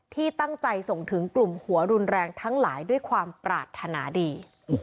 ที่ตั้งใจส่งถึงกลุ่มหัวรุนแรงทั้งหลายด้วยความปรารถนาดี